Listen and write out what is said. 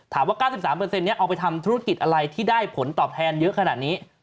๙๓เอาไปทำธุรกิจอะไรที่ได้ผลตอบแทนเยอะขนาดนี้